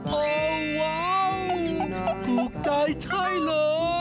โอ้ววหลูกใจใช้เลย